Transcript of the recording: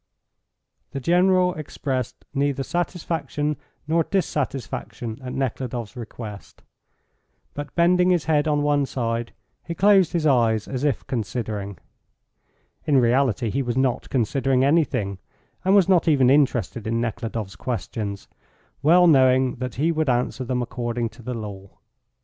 The General expressed neither satisfaction nor dissatisfaction at Nekhludoff's request, but bending his head on one side he closed his eyes as if considering. In reality he was not considering anything, and was not even interested in Nekhludoff's questions, well knowing that he would answer them according to the law.